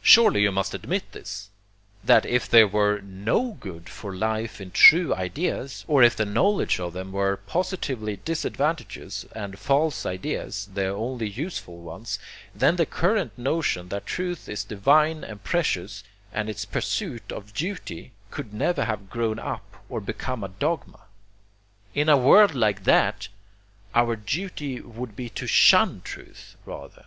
Surely you must admit this, that if there were NO good for life in true ideas, or if the knowledge of them were positively disadvantageous and false ideas the only useful ones, then the current notion that truth is divine and precious, and its pursuit a duty, could never have grown up or become a dogma. In a world like that, our duty would be to SHUN truth, rather.